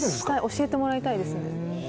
教えてもらいたいですね。